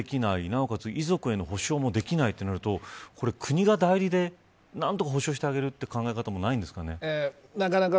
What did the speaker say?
なおかつ、遺族への保障もできないとなると国が代理で何とか補償してあげるという考え方はないんですかね。